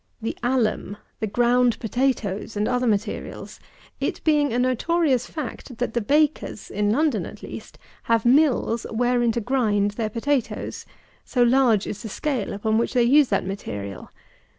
The alum, the ground potatoes, and other materials; it being a notorious fact, that the bakers, in London at least, have mills wherein to grind their potatoes; so large is the scale upon which they use that material.